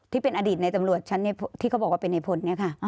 ที่เป็นอดีตในตำรวจชั้นที่เขาบอกว่าเป็นในพลเนี่ยค่ะ